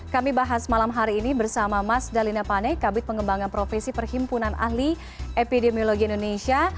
kami bahas malam hari ini bersama mas dalina pane kabit pengembangan profesi perhimpunan ahli epidemiologi indonesia